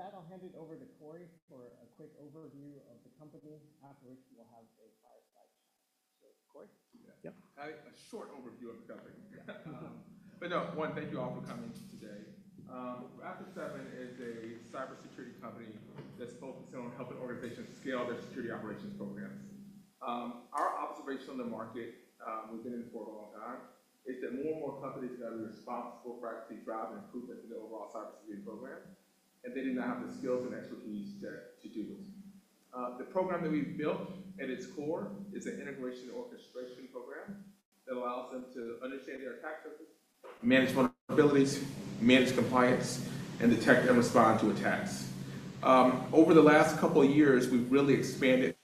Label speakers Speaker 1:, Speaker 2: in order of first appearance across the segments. Speaker 1: With that, I'll hand it over to Corey for a quick overview of the company, after which we'll have a firefight. Corey?
Speaker 2: Yeah. Yeah. I have a short overview of the company. No, one, thank you all for coming today. Rapid7 is a cybersecurity company that's focused on helping organizations scale their security operations programs. Our observation on the market, we've been in for a long time, is that more and more companies are going to be responsible for actually driving improvements in the overall cybersecurity program, and they do not have the skills and expertise to do it. The program that we've built at its core is an integration orchestration program that allows them to understand their attack surface, manage vulnerabilities, manage compliance, and detect and respond to attacks. Over the last couple of years, we've really expanded.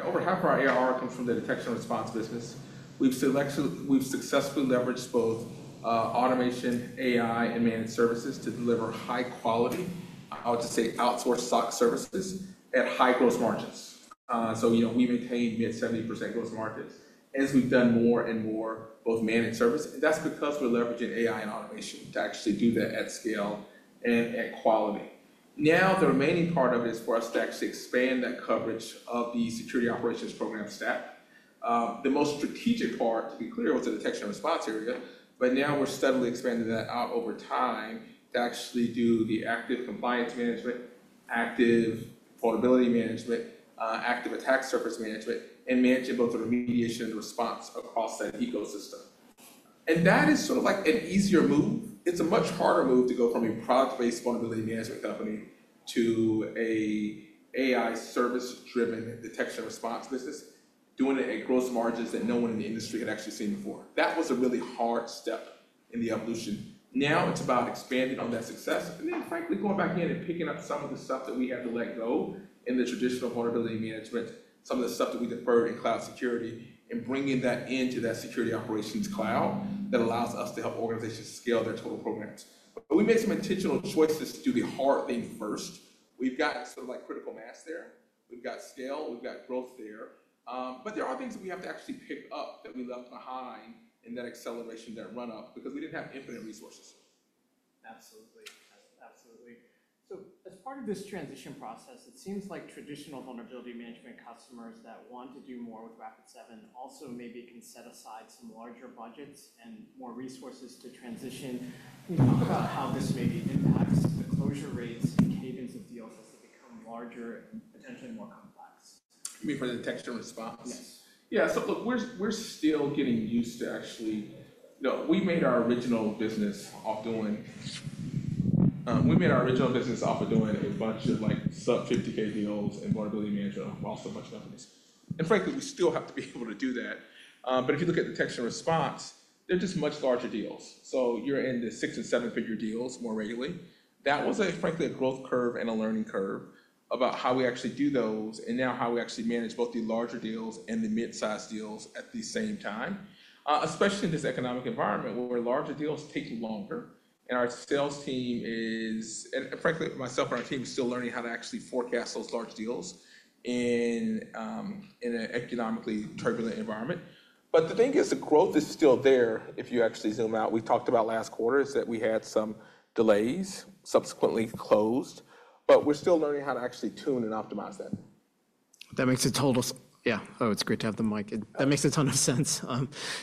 Speaker 2: Over half of our ARR comes from the detection response business. We've successfully leveraged both automation, AI, and managed services to deliver high-quality, I would say outsourced SOC services at high gross margins. We maintained near 70% gross margins. As we've done more and more both managed services, that's because we're leveraging AI and automation to actually do that at scale and at quality. The remaining part of it is for us to actually expand that coverage of the security operations program staff. The most strategic part, to be clear, was the detection response area, but now we're steadily expanding that out over time to actually do the active compliance management, active vulnerability management, active attack surface management, and managing both the remediation and the response across that ecosystem. That is sort of like an easier move. It's a much harder move to go from a product-based vulnerability management company to an AI service-driven detection response business, doing it at gross margins that no one in the industry had actually seen before. That was a really hard step in the evolution. Now it's about expanding on that success and then, frankly, going back in and picking up some of the stuff that we had to let go in the traditional vulnerability management, some of the stuff that we deferred in cloud security, and bringing that into that security operations cloud that allows us to help organizations scale their total programs. We made some intentional choices to do the hard thing first. We've got sort of like critical mass there. We've got scale. We've got growth there. There are things that we have to actually pick up that we left behind in that acceleration, that run-up, because we didn't have infinite resources.
Speaker 1: Absolutely. Absolutely. As part of this transition process, it seems like traditional vulnerability management customers that want to do more with Rapid7 also maybe can set aside some larger budgets and more resources to transition. Can you talk about how this maybe impacts the closure rates and cadence of deals as they become larger and potentially more complex?
Speaker 2: You mean for the detection response?
Speaker 1: Yes.
Speaker 2: Yeah. So look, we're still getting used to—actually, no, we made our original business off doing—we made our original business off of doing a bunch of sub-$50,000 deals and vulnerability management across a bunch of companies. And frankly, we still have to be able to do that. If you look at detection response, they're just much larger deals. You're in the six- and seven-figure deals more regularly. That was, frankly, a growth curve and a learning curve about how we actually do those and now how we actually manage both the larger deals and the mid-size deals at the same time, especially in this economic environment where larger deals take longer. Our sales team is, and frankly, myself and our team are still learning how to actually forecast those large deals in an economically turbulent environment. The thing is, the growth is still there if you actually zoom out. We talked about last quarter is that we had some delays, subsequently closed, but we're still learning how to actually tune and optimize that.
Speaker 1: That makes a total, yeah. Oh, it's great to have the mic. That makes a ton of sense.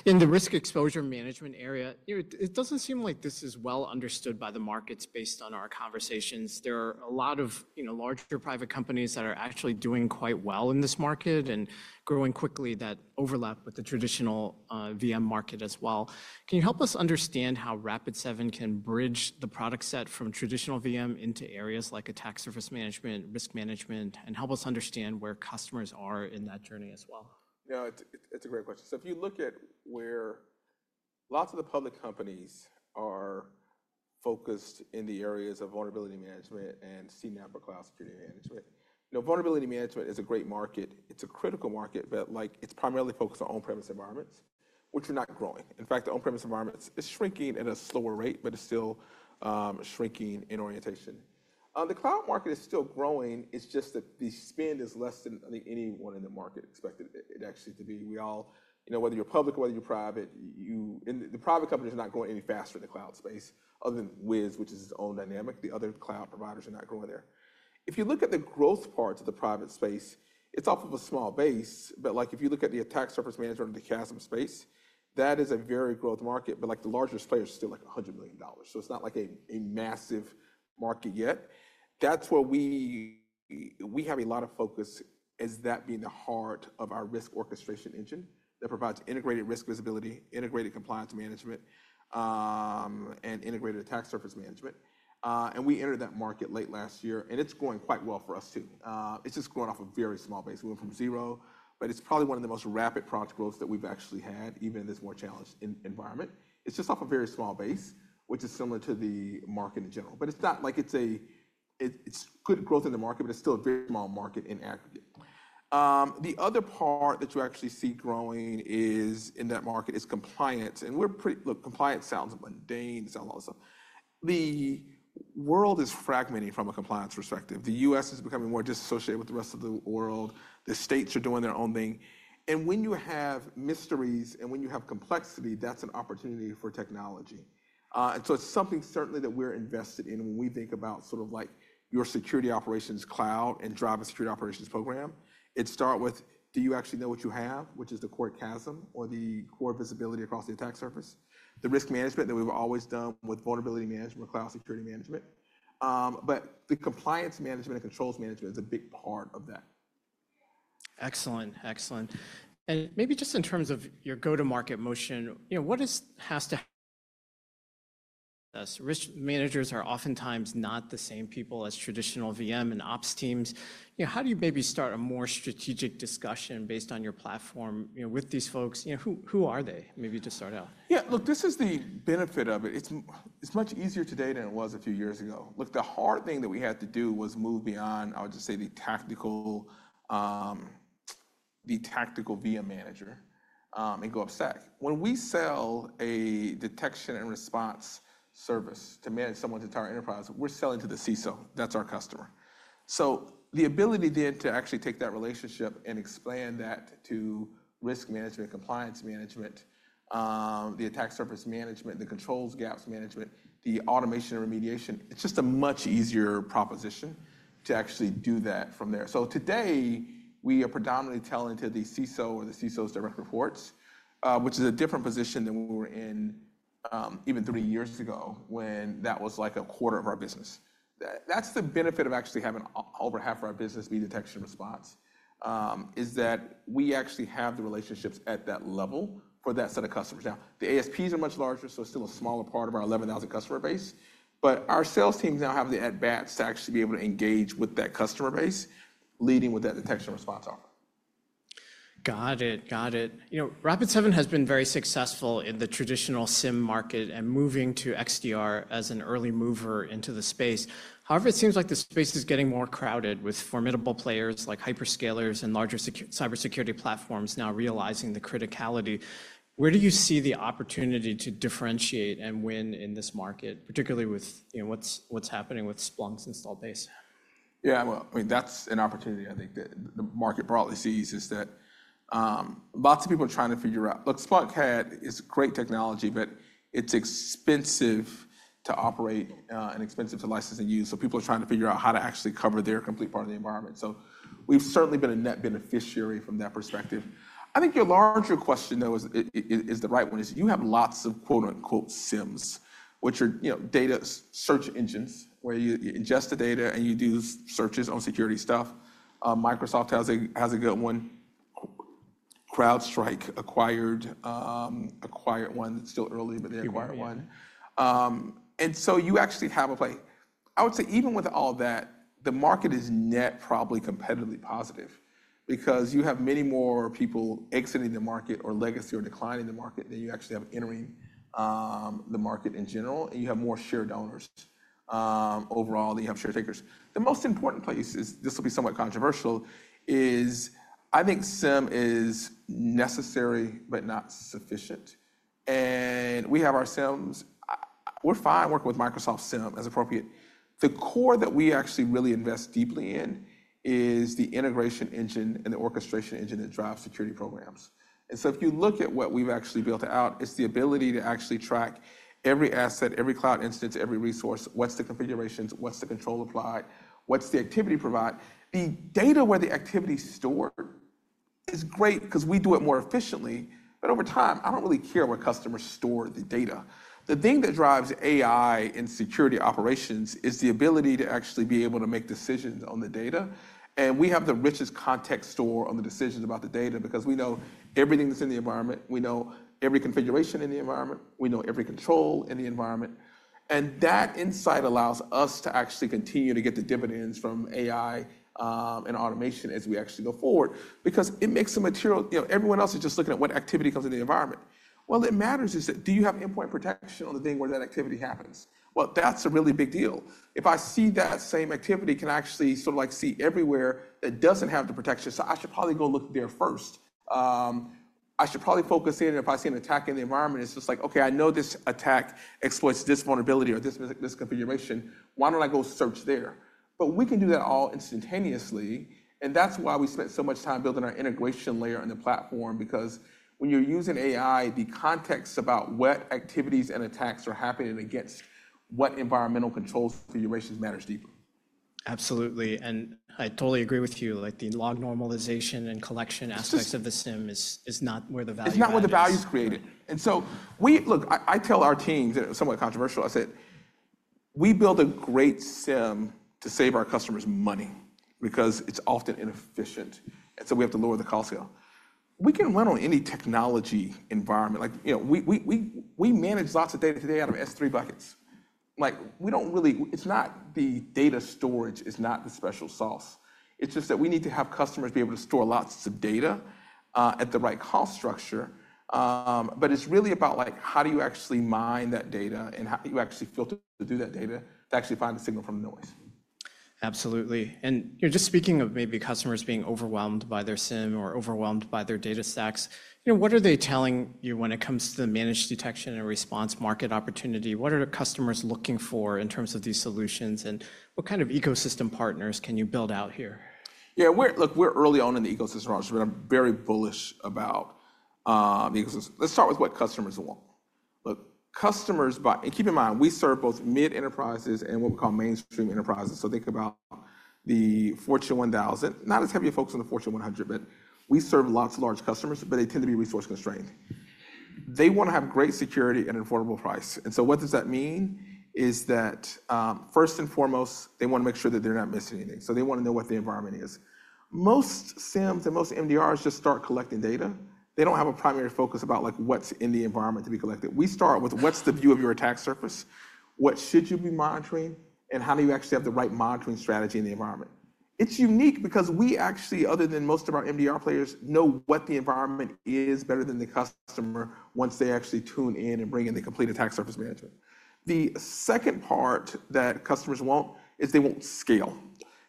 Speaker 1: In the risk exposure management area, it doesn't seem like this is well understood by the markets based on our conversations. There are a lot of larger private companies that are actually doing quite well in this market and growing quickly that overlap with the traditional VM market as well. Can you help us understand how Rapid7 can bridge the product set from traditional VM into areas like attack surface management, risk management, and help us understand where customers are in that journey as well?
Speaker 2: Yeah, it's a great question. If you look at where lots of the public companies are focused in the areas of vulnerability management and CNAPP or cloud security management, vulnerability management is a great market. It's a critical market, but it's primarily focused on on-premise environments, which are not growing. In fact, the on-premise environment is shrinking at a slower rate, but it's still shrinking in orientation. The cloud market is still growing. It's just that the spend is less than anyone in the market expected it actually to be. Whether you're public or whether you're private, the private company is not going any faster in the cloud space other than Wiz, which is its own dynamic. The other cloud providers are not growing there. If you look at the growth parts of the private space, it's off of a small base. If you look at the attack surface management or the ASM space, that is a very growth market. The largest players are still like $100 million. It is not like a massive market yet. That is where we have a lot of focus as that being the heart of our risk orchestration engine that provides integrated risk visibility, integrated compliance management, and integrated attack surface management. We entered that market late last year, and it is going quite well for us too. It is just growing off a very small base. We went from zero, but it is probably one of the most rapid product growths that we have actually had, even in this more challenged environment. It is just off a very small base, which is similar to the market in general. It is a good growth in the market, but it is still a very small market in aggregate. The other part that you actually see growing in that market is compliance. Look, compliance sounds mundane. It sounds like a lot of stuff. The U.S. is becoming more disassociated with the rest of the world. The states are doing their own thing. When you have mysteries and when you have complexity, that's an opportunity for technology. It is something certainly that we're invested in when we think about sort of like your security operations cloud and driver security operations program. It starts with, do you actually know what you have, which is the core chasm or the core visibility across the attack surface. The risk management that we've always done with vulnerability management or cloud security management. The compliance management and controls management is a big part of that.
Speaker 1: Excellent. Excellent. Maybe just in terms of your go-to-market motion, what has to happen? Risk managers are oftentimes not the same people as traditional VM and ops teams. How do you maybe start a more strategic discussion based on your platform with these folks? Who are they? Maybe to start out.
Speaker 2: Yeah. Look, this is the benefit of it. It's much easier today than it was a few years ago. Look, the hard thing that we had to do was move beyond, I would just say, the tactical VM manager and go upstack. When we sell a detection and response service to manage someone's entire enterprise, we're selling to the CISO. That's our customer. The ability then to actually take that relationship and expand that to risk management, compliance management, the attack surface management, the controls gaps management, the automation and remediation, it's just a much easier proposition to actually do that from there. Today, we are predominantly telling to the CISO or the CISO's direct reports, which is a different position than we were in even three years ago when that was like a quarter of our business. That's the benefit of actually having over half of our business be detection and response, is that we actually have the relationships at that level for that set of customers. Now, the ASPs are much larger, so it's still a smaller part of our 11,000 customer base. Our sales teams now have the advance to actually be able to engage with that customer base, leading with that detection and response offer.
Speaker 1: Got it. Got it. Rapid7 has been very successful in the traditional SIEM market and moving to XDR as an early mover into the space. However, it seems like the space is getting more crowded with formidable players like hyperscalers and larger cybersecurity platforms now realizing the criticality. Where do you see the opportunity to differentiate and win in this market, particularly with what's happening with Splunk's installed base?
Speaker 2: Yeah. I mean, that's an opportunity I think that the market broadly sees is that lots of people are trying to figure out, look, Splunk is great technology, but it's expensive to operate and expensive to license and use. People are trying to figure out how to actually cover their complete part of the environment. We've certainly been a net beneficiary from that perspective. I think your larger question, though, is the right one. You have lots of quote-unquote SIEMs, which are data search engines where you ingest the data and you do searches on security stuff. Microsoft has a good one. CrowdStrike acquired one. It's still early, but they acquired one. You actually have a play. I would say even with all that, the market is net probably competitively positive because you have many more people exiting the market or legacy or declining the market than you actually have entering the market in general, and you have more share owners overall than you have share takers. The most important place is this will be somewhat controversial is I think SIEM is necessary, but not sufficient. We have our SIEMs. We're fine working with Microsoft SIEM as appropriate. The core that we actually really invest deeply in is the integration engine and the orchestration engine that drives security programs. If you look at what we've actually built out, it's the ability to actually track every asset, every cloud instance, every resource, what's the configurations, what's the control applied, what's the activity provided. The data where the activity is stored is great because we do it more efficiently. Over time, I don't really care where customers store the data. The thing that drives AI in security operations is the ability to actually be able to make decisions on the data. We have the richest context store on the decisions about the data because we know everything that's in the environment. We know every configuration in the environment. We know every control in the environment. That insight allows us to actually continue to get the dividends from AI and automation as we actually go forward because it makes it material. Everyone else is just looking at what activity comes in the environment. What matters is that do you have endpoint protection on the thing where that activity happens? That's a really big deal. If I see that same activity, can I actually sort of see everywhere that doesn't have the protection? I should probably go look there first. I should probably focus in. If I see an attack in the environment, it's just like, okay, I know this attack exploits this vulnerability or this configuration. Why don't I go search there? We can do that all instantaneously. That is why we spent so much time building our integration layer on the platform because when you're using AI, the context about what activities and attacks are happening against what environmental controls configurations matters deeper.
Speaker 1: Absolutely. I totally agree with you. The log normalization and collection aspects of the SIEM is not where the value is.
Speaker 2: It's not where the value is created. Look, I tell our teams that are somewhat controversial. I said, we build a great SIEM to save our customers money because it's often inefficient. We have to lower the cost scale. We can run on any technology environment. We manage lots of data today out of S3 buckets. The data storage is not the special sauce. We just need to have customers be able to store lots of data at the right cost structure. It's really about how do you actually mine that data and how do you actually filter through that data to actually find the signal from the noise?
Speaker 1: Absolutely. Just speaking of maybe customers being overwhelmed by their SIEM or overwhelmed by their data stacks, what are they telling you when it comes to the managed detection and response market opportunity? What are customers looking for in terms of these solutions? What kind of ecosystem partners can you build out here?
Speaker 2: Yeah. Look, we're early on in the ecosystem roster. We're very bullish about the ecosystem. Let's start with what customers want. Look, customers buy and keep in mind, we serve both mid-enterprises and what we call mainstream enterprises. Think about the Fortune 1000. Not as heavy a focus on the Fortune 100, but we serve lots of large customers, but they tend to be resource constrained. They want to have great security at an affordable price. What that means is that first and foremost, they want to make sure that they're not missing anything. They want to know what the environment is. Most SIEMs and most MDRs just start collecting data. They don't have a primary focus about what's in the environment to be collected. We start with what's the view of your attack surface? What should you be monitoring? How do you actually have the right monitoring strategy in the environment? It's unique because we actually, other than most of our MDR players, know what the environment is better than the customer once they actually tune in and bring in the complete attack surface management. The second part that customers want is they want scale.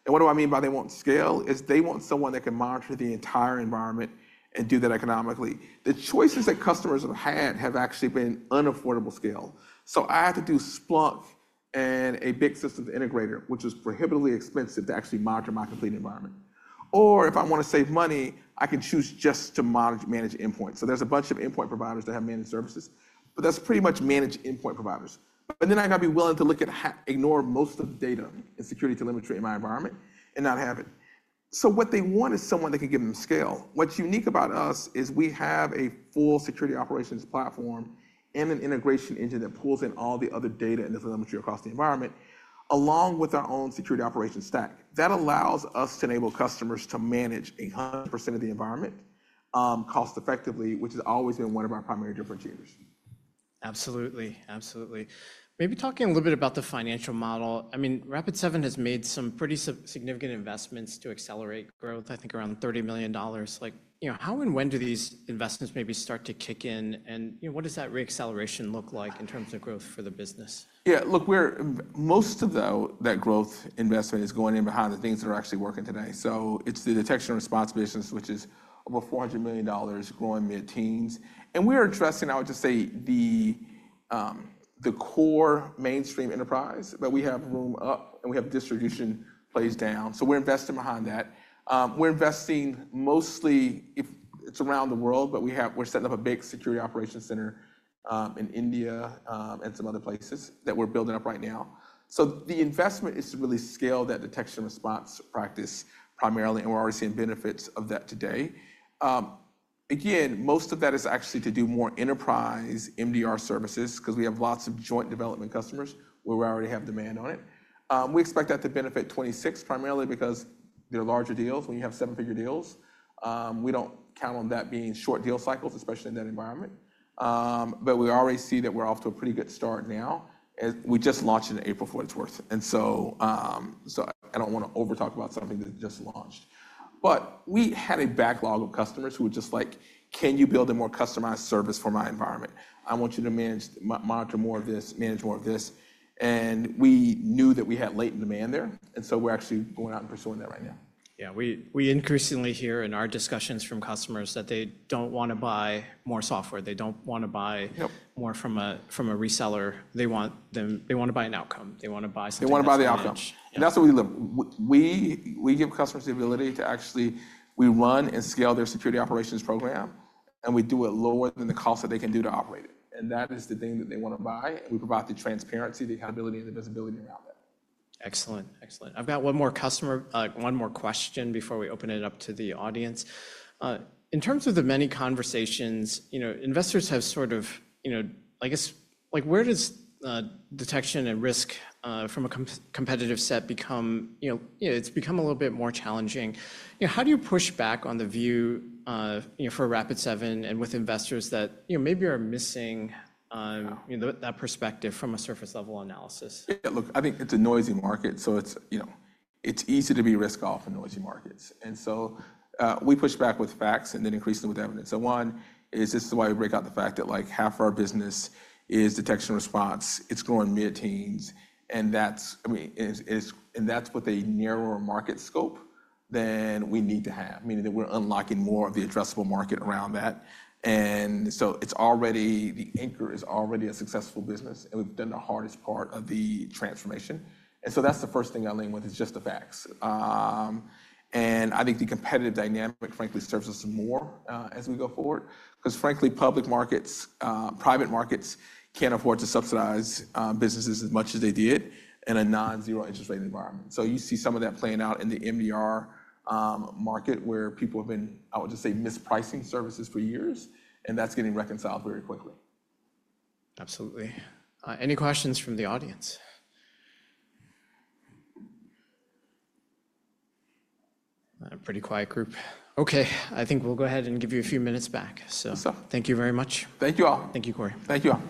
Speaker 2: What do I mean by they want scale? They want someone that can monitor the entire environment and do that economically. The choices that customers have had have actually been unaffordable scale. I have to do Splunk and a big systems integrator, which is prohibitively expensive to actually monitor my complete environment. If I want to save money, I can choose just to manage endpoints. There's a bunch of endpoint providers that have managed services, but that's pretty much managed endpoint providers. I got to be willing to ignore most of the data and security telemetry in my environment and not have it. What they want is someone that can give them scale. What's unique about us is we have a full security operations platform and an integration engine that pulls in all the other data and the telemetry across the environment along with our own security operations stack. That allows us to enable customers to manage 100% of the environment cost-effectively, which has always been one of our primary differentiators.
Speaker 1: Absolutely. Absolutely. Maybe talking a little bit about the financial model. I mean, Rapid7 has made some pretty significant investments to accelerate growth, I think around $30 million. How and when do these investments maybe start to kick in? What does that reacceleration look like in terms of growth for the business?
Speaker 2: Yeah. Look, most of that growth investment is going in behind the things that are actually working today. It is the detection and response business, which is over $400 million growing mid-teens. We are addressing, I would just say, the core mainstream enterprise, but we have room up and we have distribution plays down. We are investing behind that. We are investing mostly it is around the world, but we are setting up a big security operations center in India and some other places that we are building up right now. The investment is to really scale that detection and response practice primarily, and we are already seeing benefits of that today. Again, most of that is actually to do more enterprise MDR services because we have lots of joint development customers where we already have demand on it. We expect that to benefit 2026 primarily because they're larger deals when you have seven-figure deals. We don't count on that being short deal cycles, especially in that environment. We already see that we're off to a pretty good start now. We just launched in April, for what it's worth. I don't want to overtalk about something that just launched. We had a backlog of customers who were just like, "Can you build a more customized service for my environment? I want you to monitor more of this, manage more of this." We knew that we had latent demand there. We're actually going out and pursuing that right now.
Speaker 1: Yeah. We increasingly hear in our discussions from customers that they do not want to buy more software. They do not want to buy more from a reseller. They want to buy an outcome. They want to buy something that matches.
Speaker 2: They want to buy the outcome. That is what we look. We give customers the ability to actually run and scale their security operations program, and we do it lower than the cost that they can do to operate it. That is the thing that they want to buy. We provide the transparency, the accountability, and the visibility around that.
Speaker 1: Excellent. Excellent. I've got one more question before we open it up to the audience. In terms of the many conversations, investors have sort of, I guess, where does detection and risk from a competitive set become, it's become a little bit more challenging. How do you push back on the view for Rapid7 and with investors that maybe are missing that perspective from a surface-level analysis?
Speaker 2: Yeah. Look, I think it's a noisy market, so it's easy to be risk-off in noisy markets. We push back with facts and then increasingly with evidence. One is this is why we break out the fact that half of our business is detection and response. It's growing mid-teens. That's with a narrower market scope than we need to have, meaning that we're unlocking more of the addressable market around that. The anchor is already a successful business, and we've done the hardest part of the transformation. That's the first thing I lean with is just the facts. I think the competitive dynamic, frankly, serves us more as we go forward because, frankly, public markets, private markets can't afford to subsidize businesses as much as they did in a non-zero interest rate environment. You see some of that playing out in the MDR market where people have been, I would just say, mispricing services for years, and that's getting reconciled very quickly.
Speaker 1: Absolutely. Any questions from the audience? Pretty quiet group. Okay. I think we'll go ahead and give you a few minutes back.
Speaker 2: Yes, sir.
Speaker 1: Thank you very much.
Speaker 2: Thank you all.
Speaker 1: Thank you, Corey.
Speaker 2: Thank you all.